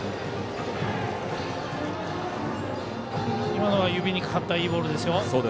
今のは指にかかったいいボールです。